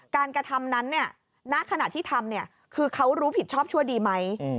การกระทำนั้นเนี่ยณขณะที่ทำเนี่ยคือเขารู้ผิดชอบชั่วดีไหม